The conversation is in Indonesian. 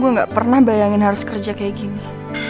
gue gak pernah bayangin harus kerja kayak gini